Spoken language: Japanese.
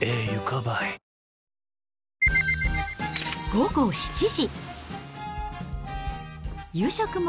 午後７時。